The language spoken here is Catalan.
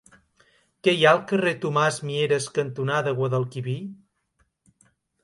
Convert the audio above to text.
Què hi ha al carrer Tomàs Mieres cantonada Guadalquivir?